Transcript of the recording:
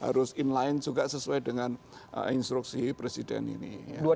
harus inline juga sesuai dengan instruksi presiden ini